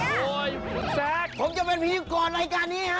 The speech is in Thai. โโหยพี่ซักผมจะเป็นพิธีกรรมรายการนี่นะครับ